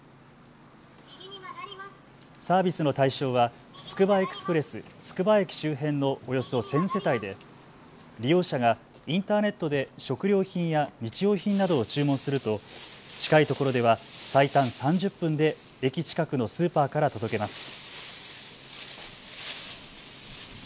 サービスの対象はつくばエクスプレスつくば駅周辺のおよそ１０００世帯で、利用者がインターネットで食料品や日用品などを注文すると近いところでは最短３０分で駅近くのスーパーから届けます。